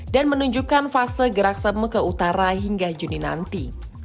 dan menunjukkan fase gerak semu ke utara hingga juni nanti